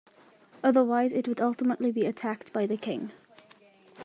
Otherwise it would ultimately be attacked by the king.